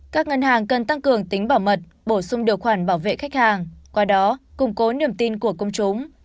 các ngân hàng cần tăng cường tính bảo mật bổ sung điều khoản bảo vệ khách hàng qua đó củng cố niềm tin của công chúng